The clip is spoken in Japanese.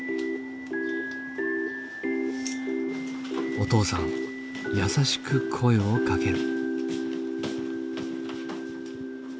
お父さん優しく声をかける。